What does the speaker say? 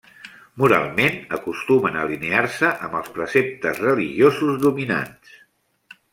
Moralment acostumen a alinear-se amb els preceptes religiosos dominants.